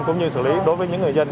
cũng như xử lý đối với những người dân